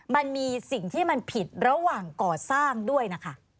มันมีสิ่งที่มันผิดระหว่างก่อสร้างด้วยนะคะ